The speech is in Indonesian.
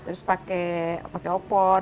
terus pakai opor